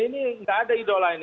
ini nggak ada idola ini